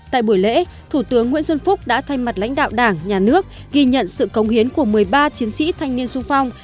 tại buổi lễ thủ tướng nguyễn xuân phúc đã thay mặt lãnh đạo đảng nhà nước ghi nhận sự công hiến của một mươi ba chiến sĩ thanh niên sung phong